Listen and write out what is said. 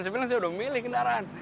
saya bilang saya udah milih kendaraan